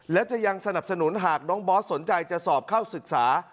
และจะยังสนับสนุนหากน้องบอสสนใจจะสอบเข้าศึกษา